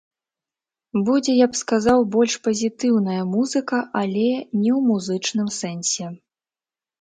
Будзе, я б сказаў, больш пазітыўная музыка, але не ў музычным сэнсе.